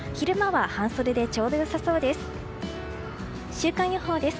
週間予報です。